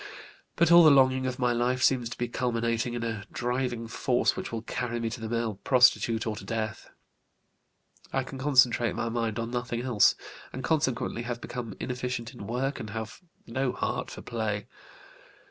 But all the longing of my life seems to be culminating in a driving force which will carry me to the male prostitute or to death. I can concentrate my mind on nothing else, and consequently have become inefficient in work and have no heart for play.